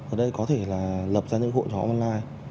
ở đây có thể là lập ra những hội nhóm online